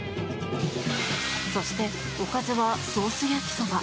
そして、おかずはソース焼きそば。